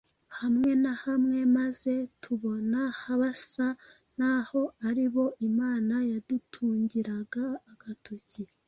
hamwe na hamwe maze tubona basa n’aho ari bo Imana yadutungiraga agatoki.